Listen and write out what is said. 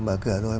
mở cửa rồi